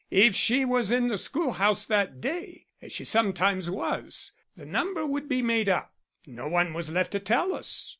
If she was in the schoolhouse that day, as she sometimes was, the number would be made up. No one was left to tell us.